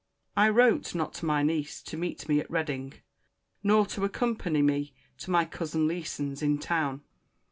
I wrote not to my niece to meet me at Reading, nor to accompany me to my cousin Leeson's in town.